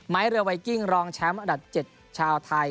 เรือไวกิ้งรองแชมป์อันดับ๗ชาวไทย